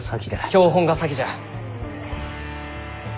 標本が先じゃ！